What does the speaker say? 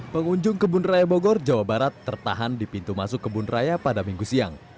pengunjung kebun raya bogor jawa barat tertahan di pintu masuk kebun raya pada minggu siang